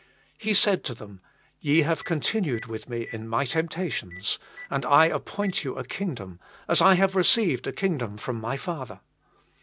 He said to them: <* Ye have continued with Me in My temptations, and I appoint you a kingdom, as I have received a kingdom from My Father."